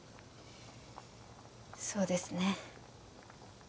そうですね